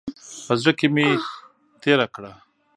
په زړه کې مې تېره کړه.